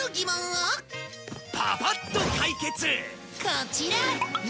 こちら！